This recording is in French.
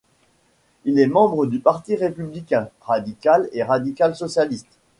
Il est membre du Parti républicain, radical et radical-socialiste.